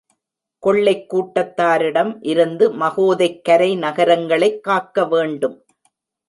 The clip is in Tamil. கொள்ளைக் கூட்டத்தாரிடம் இருந்து மகோதைக் கரை நகரங்களைக் காக்கவேண்டும்.